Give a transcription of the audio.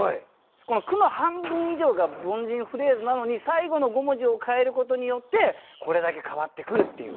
この句の半分以上が凡人フレーズなのに最後の５文字を変えることによってこれだけ変わってくるっていう。